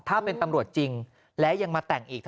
ถ้าเป็นตำรวจจริงและยังมาแต่งอีก